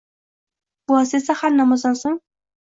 Buvasi esa har namozdan so`ng